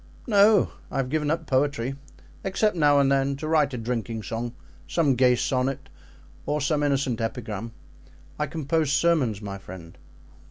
"No, I have given up poetry, except now and then to write a drinking song, some gay sonnet or some innocent epigram; I compose sermons, my friend."